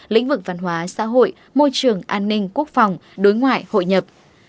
lĩnh vực văn hóa xã hội môi trường an ninh quốc phòng đối ngoại hội nhập